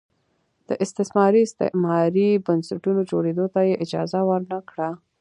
د استثماري استعماري بنسټونو جوړېدو ته یې اجازه ور نه کړه.